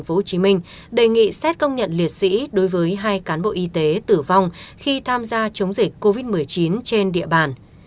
tp hcm đề nghị xét công nhận liệt sĩ đối với hai cán bộ y tế tử vong khi tham gia chống dịch covid một mươi chín trên địa bàn